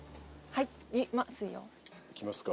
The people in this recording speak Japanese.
いきますか。